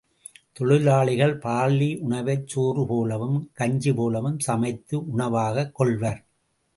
தொழிலாளிகள் பார்லி உணவைச் சோறு போலவும், கஞ்சி போலவும் சமைத்து உணவாகக் கொள்வர்.